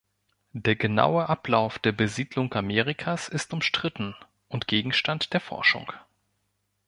Der genaue Ablauf der Besiedlung Amerikas ist umstritten und Gegenstand der Forschung.